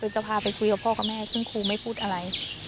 จะพาไปคุยกับพ่อกับแม่ซึ่งครูไม่พูดอะไร